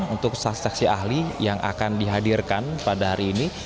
untuk saksi ahli yang akan dihadirkan pada hari ini